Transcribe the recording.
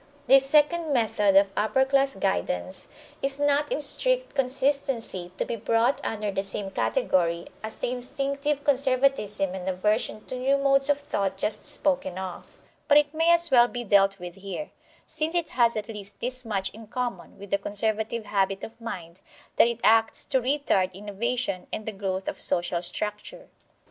This second method of upper class guidance is not in strict consistency to be brought under the same category as the instinctive conservatism and aversion to new modes of thought just spoken of; but it may as well be dealt with here, since it has at least this much in common with the conservative habit of mind that it acts to retard innovation and the growth of social structure.